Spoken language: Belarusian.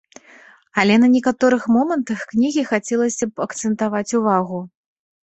Але на некаторых момантах кнігі хацелася б акцэнтаваць увагу.